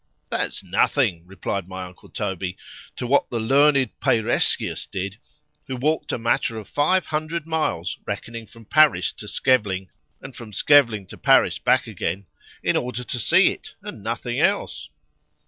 That's nothing, replied my uncle Toby, to what the learned Peireskius did, who walked a matter of five hundred miles, reckoning from Paris to Schevling, and from Schevling to Paris back again, in order to see it,—and nothing else.